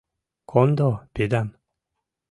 — Кондо, пидам!